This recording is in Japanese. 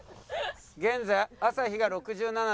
現在朝日が６７．５。